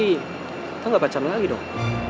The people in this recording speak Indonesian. kita gak pacaran lagi dong